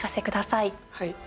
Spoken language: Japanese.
はい。